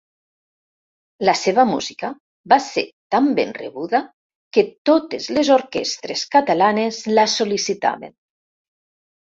La seva música va ser tan ben rebuda que totes les orquestres catalanes la sol·licitaven.